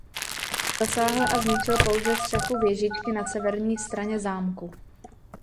Zasáhl a zničil pouze střechu věžičky na severní straně zámku.